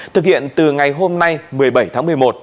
thực hiện từ ngày hôm nay một mươi bảy tháng một mươi một